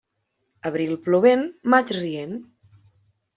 Abril plovent, maig rient.